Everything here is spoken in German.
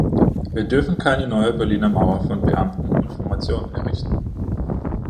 Wir dürfen keine neue "Berliner Mauer" von Beamten und Informationen errichten.